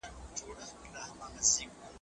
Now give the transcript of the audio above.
موږ باید د خپل هېواد په ابادۍ کې برخه واخلو.